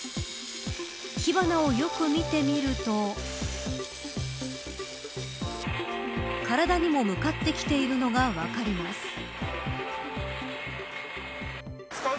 火花をよく見てみると体にも向かってきているのが分かります。